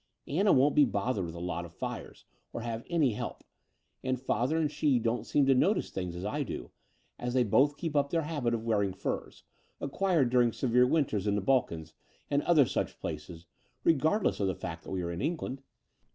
Anna won't be bothered with a lot of fires or have* any help : and father and she don't seem to notice things as I do, as they both keep up their habit of wearing ftirs, acquired diuing severe winters in the Balkans and other such places, regardless of the. fact that we are in England.